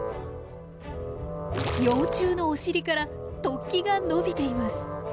幼虫のお尻から突起が伸びています。